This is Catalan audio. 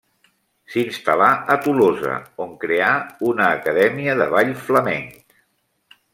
S'instal·là a Tolosa, on creà una acadèmia de ball flamenc.